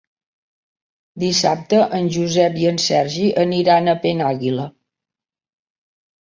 Dissabte en Josep i en Sergi aniran a Penàguila.